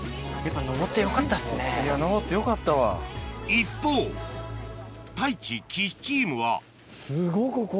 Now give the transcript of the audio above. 一方太一・岸チームはすごっここ！